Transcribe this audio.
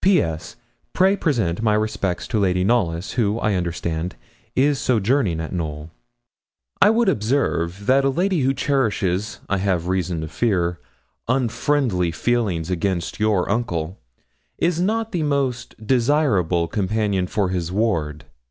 'P.S. Pray present my respects to Lady Knollys, who, I understand, is sojourning at Knowl. I would observe that a lady who cherishes, I have reason to fear, unfriendly feelings against your uncle, is not the most desirable companion for his ward.